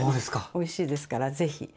おいしいですから是非。